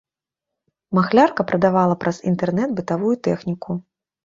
Махлярка прадавала праз інтэрнэт бытавую тэхніку.